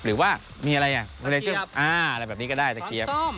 หรือว่ามีอะไรอ่ะสเกียบอ่าอะไรแบบนี้ก็ได้สเกียบช้อนซ่อม